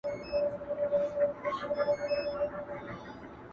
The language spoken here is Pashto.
هغه سر مي تور لحد ته برابر کړ!.